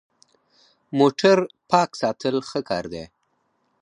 موټر پاک ساتل ښه کار دی.